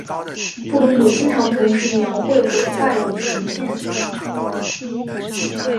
布鲁姆经常同时描绘毁坏与重建。